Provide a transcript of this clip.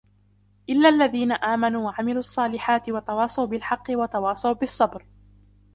إِلَّا الَّذِينَ آمَنُوا وَعَمِلُوا الصَّالِحَاتِ وَتَوَاصَوْا بِالْحَقِّ وَتَوَاصَوْا بِالصَّبْرِ